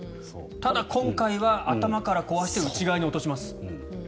ただ今回は頭から壊して内側に落とします。